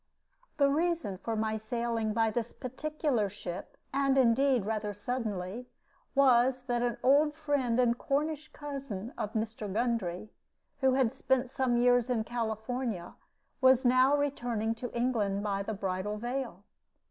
The reason for my sailing by this particular ship, and, indeed, rather suddenly, was that an old friend and Cornish cousin of Mr. Gundry, who had spent some years in California, was now returning to England by the Bridal Veil.